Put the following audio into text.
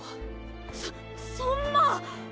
そそんな。